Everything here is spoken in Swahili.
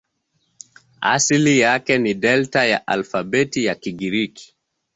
Asili yake ni Delta ya alfabeti ya Kigiriki.